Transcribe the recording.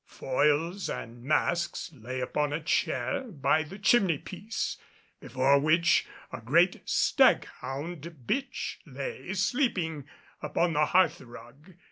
Foils and masks lay upon a chair by the chimney piece, before which a great staghound bitch lay sleeping upon the hearth rug.